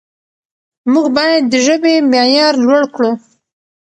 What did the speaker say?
موږ باید د ژبې معیار لوړ کړو.